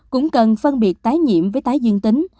cũng cần phân biệt tái nhiễm với tái dương tính